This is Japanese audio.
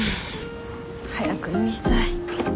早く脱ぎたい。